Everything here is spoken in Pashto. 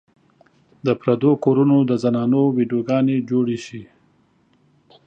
د پردو کورونو د زنانو ويډيو ګانې جوړې شي